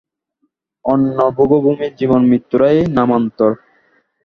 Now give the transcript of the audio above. অন্য ভোগভূমির জীবন মৃত্যুরই নামান্তর।